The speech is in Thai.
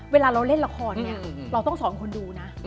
เวลาเราเล่นละครเนี่ยเราต้องสอนคนดูนะ